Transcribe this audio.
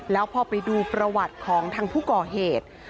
แล้วพอไปดูประวัติของทางผู้ก่อเหตุ